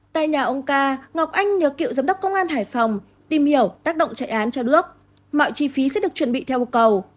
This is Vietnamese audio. tại nhà ông ca ngọc anh nhớ cựu giám đốc công an hải phòng tìm hiểu tác động trại án cho đước mọi chi phí sẽ được chuẩn bị theo một cầu